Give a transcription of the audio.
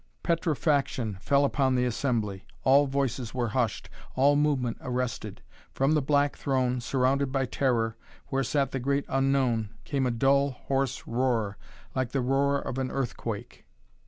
Petrifaction fell upon the assembly. All voices were hushed, all movement arrested. From the black throne, surrounded by terror, where sat the great Unknown, came a dull hoarse roar, like the roar of an earthquake.